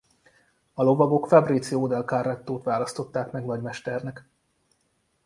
A lovagok Fabrizio del Carrettót választották meg nagymesternek.